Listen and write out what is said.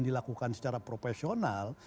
dilakukan secara profesional